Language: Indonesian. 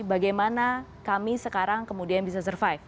bagaimana kami sekarang kemudian bisa survive